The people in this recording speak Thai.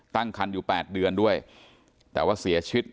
ตั้งคันอยู่๘เดือนด้วยแต่ว่าเสียชีวิต